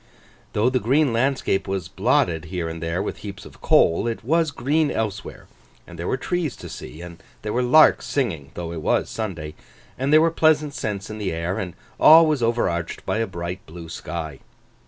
Though the green landscape was blotted here and there with heaps of coal, it was green elsewhere, and there were trees to see, and there were larks singing (though it was Sunday), and there were pleasant scents in the air, and all was over arched by a bright blue sky.